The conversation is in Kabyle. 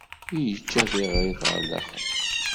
Yečča tiɣrit ɣer daxel.